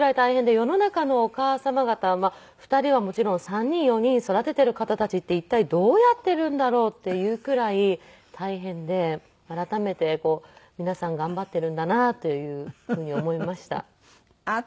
世の中のお母様方は２人はもちろん３人４人育てている方たちって一体どうやっているんだろう？っていうくらい大変で改めて皆さん頑張っているんだなというふうに思いました。